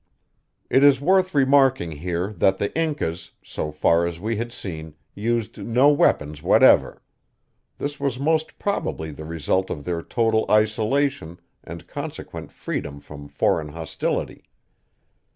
It is worth remarking here that the Incas, so far as we had seen, used no weapons whatever. This was most probably the result of their total isolation and consequent freedom from foreign hostility.